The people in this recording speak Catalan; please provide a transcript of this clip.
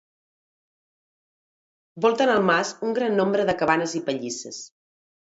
Volten el mas un gran nombre de cabanes i pallisses.